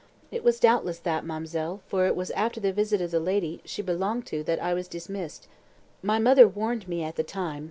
"It was doubtless that, ma'm'selle, for it was after the visit of the lady she belonged to that I was dismissed. My mother warned me at the time.